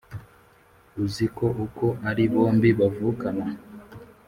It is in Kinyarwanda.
uziko uko ari bombi bavukana